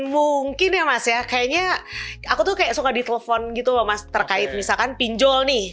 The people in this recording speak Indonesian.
mungkin ya mas ya kayaknya aku tuh kayak suka ditelepon gitu loh mas terkait misalkan pinjol nih